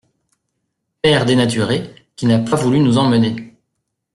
Père dénaturé, qui n'a pas voulu nous emmener !